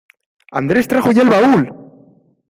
¡Andrés trajo ya el baúl!